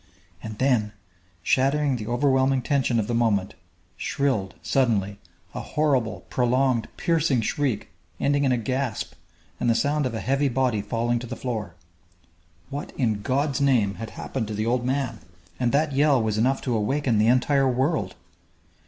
And then, shattering the overwhelming tension of the moment, shrilled, suddenly, a horrible, prolonged, piercing shriek ending in a gasp and the sound of a heavy body falling to the floor! What, in God's name, had happened to the old man? And that yell was enough to awaken the entire world!